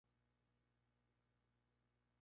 Fue tío de Agapito Vallmitjana Abarca.